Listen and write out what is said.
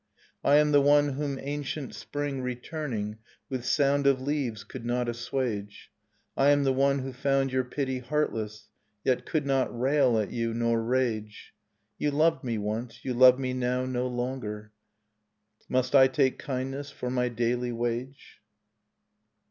I am the one whom ancient spring returning ' With sound of leaves could not assuage. J I am the one who found your pity heartless, i Yet could not rail at you, nor rage. ] You loved me once, you love me now no longer ... j Alust I take kindness for my daily wage?